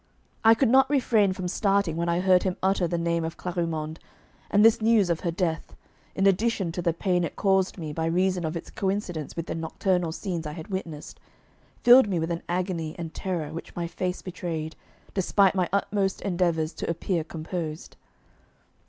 I could not refrain from starting when I heard him utter the name of Clarimonde, and this news of her death, in addition to the pain it caused me by reason of its coincidence with the nocturnal scenes I had witnessed, filled me with an agony and terror which my face betrayed, despite my utmost endeavours to appear composed.